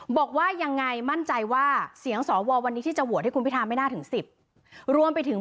บอกว่ายังไงมั่นใจว่าเสียงสววันนี้ที่จะโหวตให้คุณพิธาไม่น่าถึง๑๐รวมไปถึง